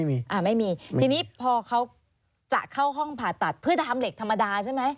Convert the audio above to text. ทีนี้พอเขาจะเข้าห้องผ่าตัดเพื่อทำเหล็กธรรมดาใช่ไหม